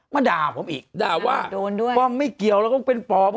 มาด่าผมอีกด่าว่าโดนด้วยป้อมไม่เกี่ยวแล้วก็เป็นปอบ